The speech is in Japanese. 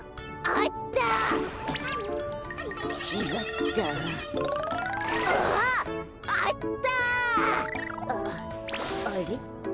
あっあれ？